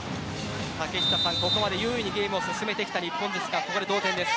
ここまで優位にゲームを進めてきた日本ですが同点です。